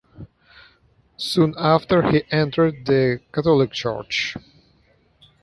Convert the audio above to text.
Soon after, he entered the Catholic Church.